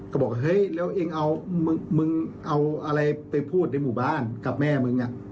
ก็บอกเฮ้ยแล้วเองเอามึงเอาอะไรไปพูดในหมู่บ้านกับแม่มึง